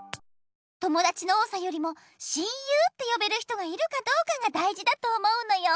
ともだちの多さよりも親友ってよべる人がいるかどうかがだいじだと思うのよ。